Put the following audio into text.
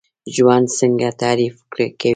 ژوند څنګه تعریف کوئ؟